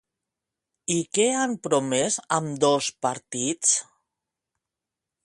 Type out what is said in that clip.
I què han promès ambdós partits?